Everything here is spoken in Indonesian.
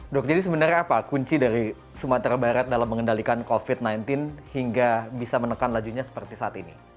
dok jadi sebenarnya apa kunci dari sumatera barat dalam mengendalikan covid sembilan belas hingga bisa menekan lajunya seperti saat ini